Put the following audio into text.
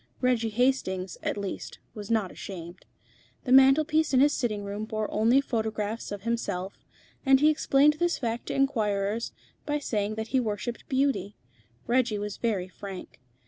Reggie Hastings, at least, was not ashamed. The mantel piece in his sitting room bore only photographs of himself, and he explained this fact to inquirers by saying that he worshipped beauty. Reggie was very frank.